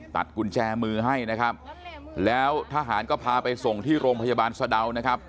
กุญแจมือให้นะครับแล้วทหารก็พาไปส่งที่โรงพยาบาลสะดาวนะครับ